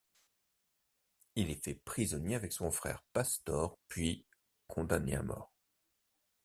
Il est fait prisonnier avec son frère Pastor, puis condamné à mort.